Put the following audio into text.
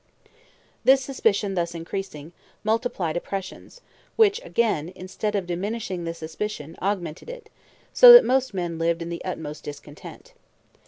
This suspicion increasing, multiplied oppressions; which again, instead of diminishing the suspicion, augmented it; so that most men lived in the utmost discontent.